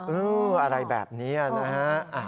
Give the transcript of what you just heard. เอออะไรแบบนี้นะฮะ